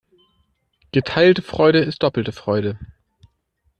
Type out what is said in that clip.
Geteilte Freude ist doppelte Freude.